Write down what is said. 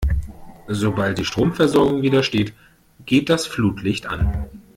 Sobald die Stromversorgung wieder steht, geht das Flutlicht an.